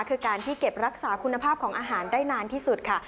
คือการที่เก็บรักษาคุณภาพของอาหารได้นานที่สุดค่ะ